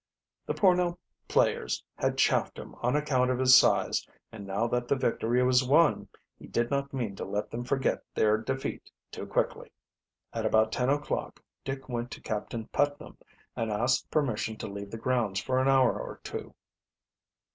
The Pornell players had chaffed him on account of his size, and now that the victory was won, he did not mean to let them forget their defeat too quickly. At about ten o'clock Dick went to Captain Putnam and asked permission to leave the grounds for an hour or two.